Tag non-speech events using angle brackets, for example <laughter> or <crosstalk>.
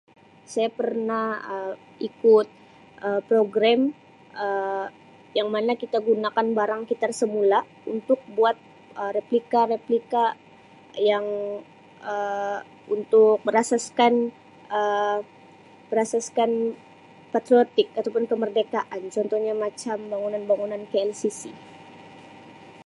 Saya pernah Um ikut Um program Um yang mana kita gunakan barang kitar semula untuk buat Um replika-replika yang Um <unintelligible> berasaskan Um berasaskan patriotik atau pun kemerdekaan contohnya macam bangunan-bangunan KLCC.